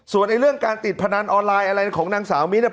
ส่วนเรื่องการติดพนันออนไลน์อะไรของนางสาวมิ้นเนี่ย